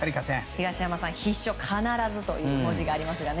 東山さん、必勝必ずという文字がありますけど。